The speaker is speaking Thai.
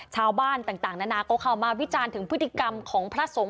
ชาวบ้านต่างนานาก็เข้ามาวิจารณ์ถึงพฤติกรรมของพระสงฆ์